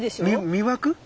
魅惑？